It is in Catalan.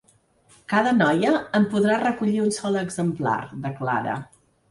Cada noia en podrà recollir un sol exemplar, declara.